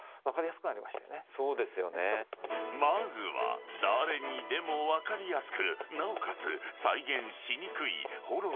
［まずは誰にでも分かりやすくなおかつ再現しにくい］